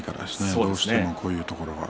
どうしても、こういうところが。